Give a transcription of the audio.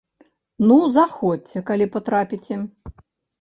Ну, заходзьце, калі патрапіце.